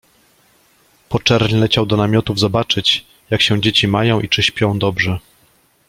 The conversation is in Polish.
Po czerń leciał do namiotów zobaczyć, jak się dzieci mają i czy śpią dobrze.